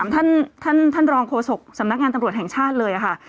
ท่านรองโฆษกสำนักงานตำรวจแห่งชาติเลยค่ะ